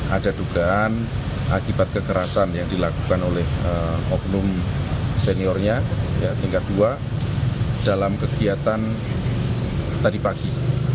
ada dugaan akibat kekerasan yang dilakukan oleh oknum seniornya tingkat dua dalam kegiatan tadi pagi